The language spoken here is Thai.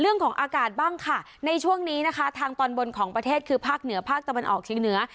เรื่องของอากาศบ้างค่ะในช่วงนี้นะคะทางตอนบนของประเทศคือภาคเหนือภาคตะวันออกเชียงเหนือ